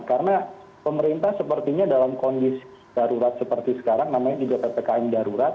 karena pemerintah dalam kondisi darurat seperti sekarang namanya ppkm darurat